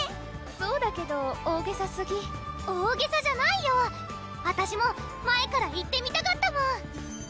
そうだけど大袈裟すぎ大袈裟じゃないよあたしも前から行ってみたかったもん